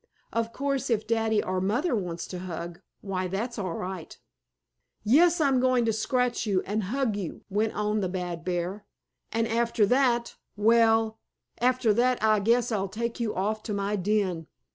Of course if daddy or mother wants to hug, why, that's all right. "Yes, I'm going to scratch you and hug you," went on the bad bear, "and after that well, after that I guess I'll take you off to my den."